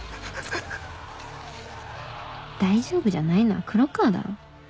大丈夫じゃないのは黒川だろ